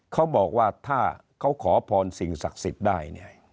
เขาบอกว่าถ้าเขาขอพรสิ่งศักดิ์สิทธิ์ได้เนี่ย